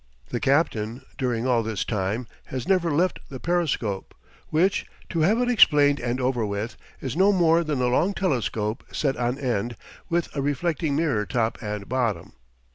The captain, during all this time, has never left the periscope, which to have it explained and over with is no more than a long telescope set on end, with a reflecting mirror top and bottom.